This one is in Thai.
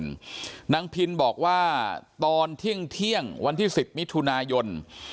นะฮะนางพินบอกว่าตอนเที่ยงเที่ยงวันที่๑๐มิถุนายน